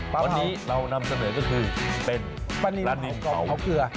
วันนี้เรานำเสนอก็คือเป็นปลานินข้าวเกลือ